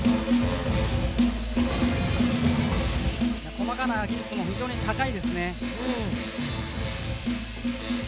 細かな技術も非常に高いですね。